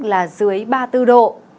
là dưới ba mươi bốn độ